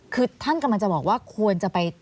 คือท่านกำลังจะบอกว่าควรจะไป